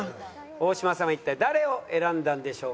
大島さんは一体誰を選んだんでしょうか？